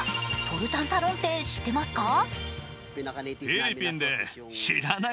トルタンタロンって知ってますか？